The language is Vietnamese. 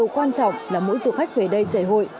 quan trọng là mỗi du khách về đây chảy hội